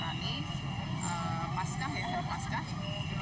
karena ini berkait dengan perayaan pematas rani pasca